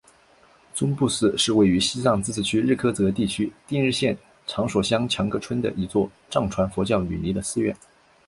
宗布寺是位于西藏自治区日喀则地区定日县长所乡强噶村的一座藏传佛教女尼的寺院。